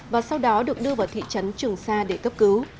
và sau đó được đưa vào thị trấn trường sa để cấp cứu